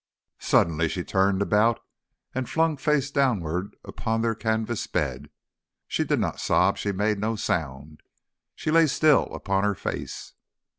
Suddenly she turned herself about, and flung face downward upon their canvas bed. She did not sob, she made no sound. She lay still upon her face.